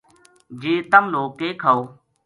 جے تم لوک کے کھاؤ